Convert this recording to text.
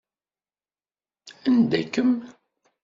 Anda-kem?